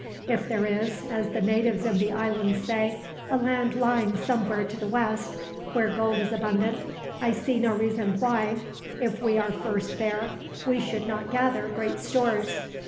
"If there is, as the natives in the islands say, a land lying somewhere to the west, where gold is abundant, I see no reason why, if we are first there, we should not gather great stores.